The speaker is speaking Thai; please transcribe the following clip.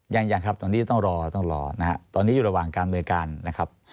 ยังยังครับตอนนี้ต้องรอต้องรอนะฮะตอนนี้อยู่ระหว่างการบริการนะครับ